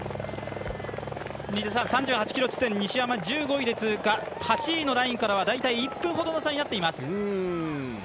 ３８ｋｍ地点、西山が１５位で通過、８位のラインから大体１分ほどの差になっています。